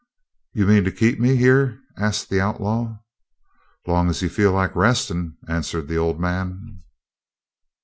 "You mean to keep me here?" asked the outlaw. "Long as you feel like restin'," answered the old man.